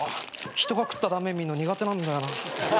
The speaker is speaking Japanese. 人が食った断面見んの苦手なんだよな。